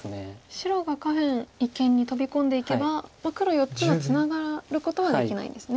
白が下辺一間に飛び込んでいけば黒４つはツナがることはできないんですね。